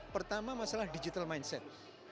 pertama masalah digital mindset